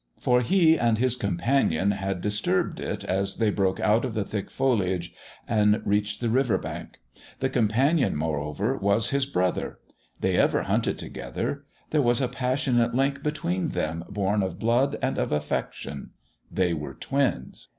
For he and his companion had disturbed it as they broke out of the thick foliage and reached the river bank. The companion, moreover, was his brother; they ever hunted together; there was a passionate link between them born of blood and of affection they were twins....